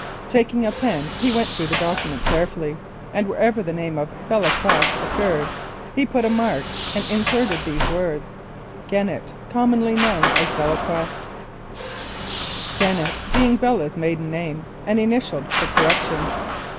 Taking the pen he went through the document carefully, and wherever the name of "Belle Quest" occurred he put a X, and inserted these words, "Gennett, commonly known as Belle Quest," Gennett being Belle's maiden name, and initialled the correction.